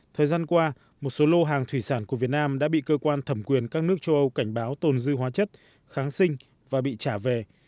thời gian qua một số lô hàng thủy sản của việt nam đã bị cơ quan thẩm quyền các nước châu âu cảnh báo tồn dư hóa chất kháng sinh và bị trả về